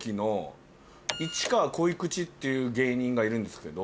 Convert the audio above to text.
っていう芸人がいるんですけど。